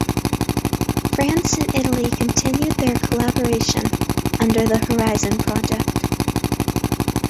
France and Italy continued their collaboration under the Horizon project.